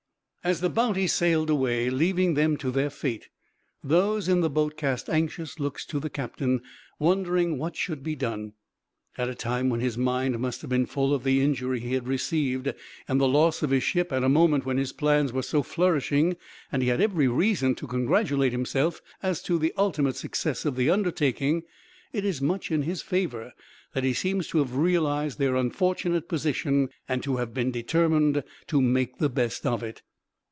As the Bounty sailed away, leaving them to their fate, those in the boat cast anxious looks to the captain, wondering what should be done. At a time when his mind must have been full of the injury he had received, and the loss of his ship at a moment when his plans were so flourishing and he had every reason to congratulate himself as to the ultimate success of the undertaking, it is much in his favor that he seems to have realized their unfortunate position and to have been determined to make the best of it.